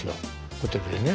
ホテルでね。